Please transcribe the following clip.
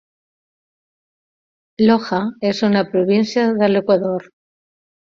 Loja és una província de l'Equador.